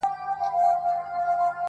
باندي جوړ د موږکانو بیر و بار وو،